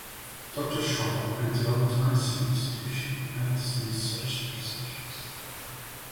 Doctor Sharp and the Albert Einstein Institution have dismissed such accusations.